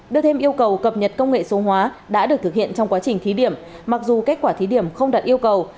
đưa thêm yêu cầu cập nhật công nghệ số hóa đã được thực hiện trong quá trình thí điểm mặc dù kết quả thí điểm không đạt yêu cầu